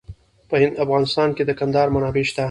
په افغانستان کې د کندهار منابع شته.